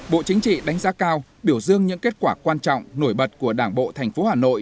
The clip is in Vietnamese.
bộ chính trị đánh giá cao biểu dương những kết quả quan trọng nổi bật của đảng bộ tp hà nội